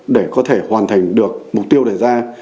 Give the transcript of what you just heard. để có thể hoàn thành được mục tiêu đề ra